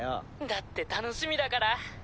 だって楽しみだから。